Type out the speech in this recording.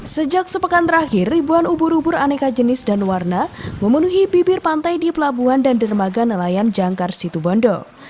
sejak sepekan terakhir ribuan ubur ubur aneka jenis dan warna memenuhi bibir pantai di pelabuhan dan dermaga nelayan jangkar situbondo